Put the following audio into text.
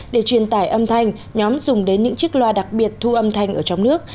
để truyền tải âm thanh nhóm dùng đến những chiếc loa đặc biệt thu âm thanh ở trong nước